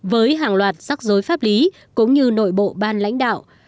với hàng loạt rắc rối pháp lý cũng như nội bộ ban lãnh đạo